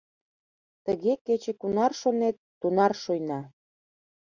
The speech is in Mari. Тыге кече кунар шонет, тунар шуйна.